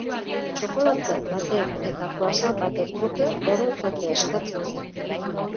Txokolate baten eta croissant baten truke borondatea eskatzen zen.